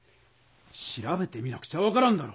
調べてみなくちゃ分からんだろう。